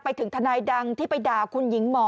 ทนายดังที่ไปด่าคุณหญิงหมอ